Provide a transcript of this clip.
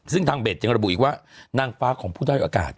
ซึ่งทางเบสยังระบุอีกว่านางฟ้าของผู้ด้อยอากาศ